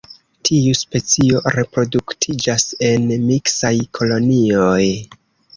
Tiu specio reproduktiĝas en miksaj kolonioj.